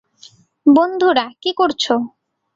বন্ধুরা, কি করছো?